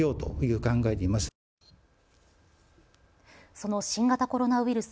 その新型コロナウイルス。